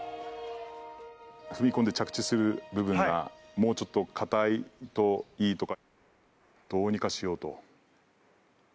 踏み込んで着地する部分がもうちょっと硬いといいとか。